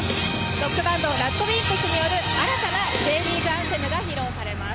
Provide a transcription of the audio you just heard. ロックバンドＲＡＤＷＩＭＰＳによるＪリーグアンセムが披露されます。